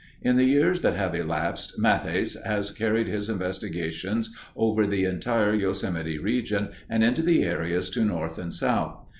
In the years that have elapsed, Matthes has carried his investigations over the entire Yosemite region and into the areas to north and south.